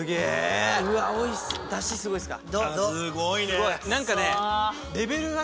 ダシすごいっすか？